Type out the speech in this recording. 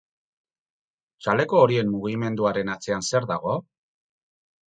Txaleko horien mugimenduaren atzean zer dago?